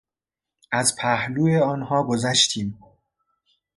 از پهلو آنها گذشتیم.